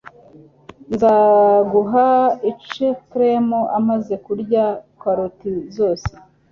nzaguha ice cream umaze kurya karoti zose